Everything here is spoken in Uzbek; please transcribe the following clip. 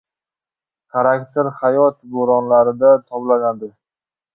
xarakter hayot bo‘ronlarida toblanadi.